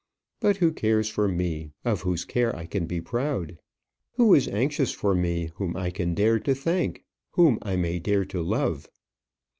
But who cares for me, of whose care I can be proud? Who is anxious for me, whom I can dare to thank, whom I may dare to love?"